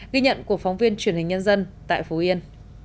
ghi nhận của phóng viên truyền hình nhân dân tại phú yên